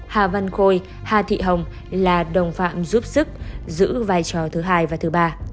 hà văn khôi hà thị hồng là đồng phạm giúp sức giữ vai trò thứ hai và thứ ba